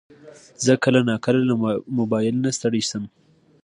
زه کله ناکله له موبایل نه ستړی شم.